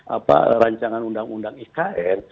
apa rancangan undang undang ikn